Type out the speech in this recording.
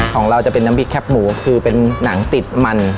ของเราจะเป็นน้ำพริกแป๊บหมูคือเป็นหนังติดมัน